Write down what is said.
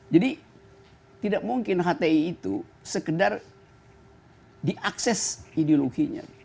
jadi tidak mungkin hti itu sekedar diakses ideologinya